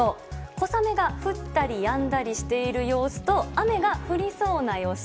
小雨が降ったりやんだりしている様子と雨が降りそうな様子。